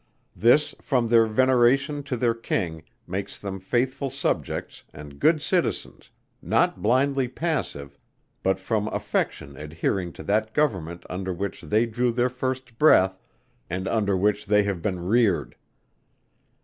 This, from their veneration to their King makes them faithful subjects and good citizens, not blindly passive, but from affection adhering to that Government under which they drew their first breath and under which they have been reared.